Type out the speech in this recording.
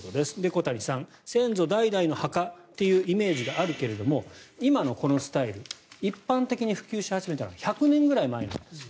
小谷さん、先祖代々の墓というイメージがあるけれども今のこのスタイル一般的に普及し始めたのは１００年ぐらい前です。